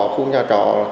khu nhà trò